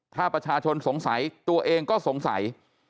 ถ้าประชาชนสงสัยตัวเองก็สงสัย